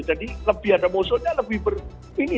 jadi lebih ada musuhnya lebih ini